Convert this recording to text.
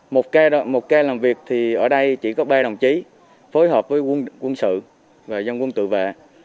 một k làm việc thì ở đây chỉ có ba đồng chí phối hợp với quân sự và dân quân tự vệ